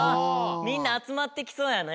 みんなあつまってきそうやね。